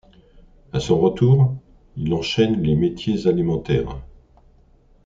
À son retour, il enchaîne les métiers alimentaires.